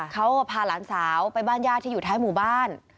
เขาพาหลานสาวไปบ้านญาติที่อยู่ท้ายหมู่บ้าน